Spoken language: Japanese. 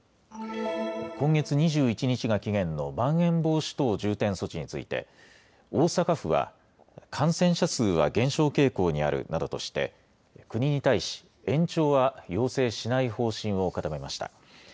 今月２１日が期限のまん延防止等重点措置について大阪府は感染者数は減少傾向にあるなどとして国に対し延長は要請しない方針を固めました。